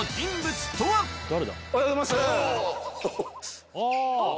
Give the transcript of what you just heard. おはようございます！